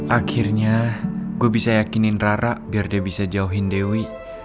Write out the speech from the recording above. akhirnya gue bisa yakinin rara biar dia bisa jauhin dewi